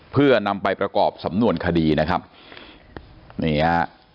เพื่อนำไปประกอบสำนวนคดีนะครับนี่ฮะ